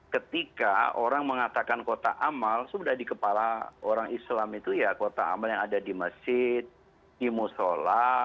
ketika orang mengatakan kotak amal sudah di kepala orang islam itu ya kotak amal yang ada di masjid di musola